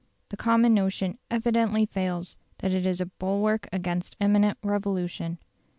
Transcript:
The common notion evidently fails, that it is a bulwark against imminent revolution.